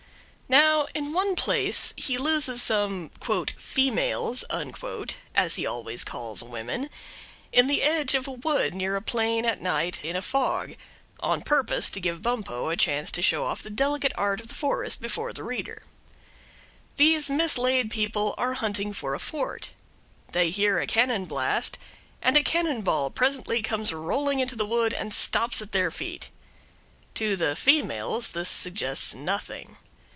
Now in one place he loses some "females" as he always calls women in the edge of a wood near a plain at night in a fog, on purpose to give Bumppo a chance to show off the delicate art of the forest before the reader. These mislaid people are hunting for a fort. They hear a cannonblast, and a cannon ball presently comes rolling into the wood and stops at their feet. To the females this suggests nothing.